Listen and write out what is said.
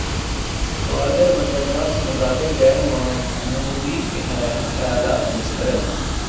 گوادر بندرگاہ سے متعلق غیر معمولی خیالات مسترد